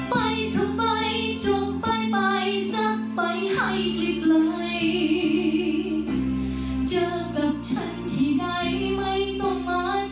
ไปเถอะไปจงไปไปซักไปให้กลิ่นไหลเจอแบบฉันที่ไหนไม่ต้องมาทั้ง